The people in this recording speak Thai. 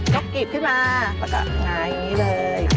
กริบขึ้นมาประกับหงาอย่างนี้เลย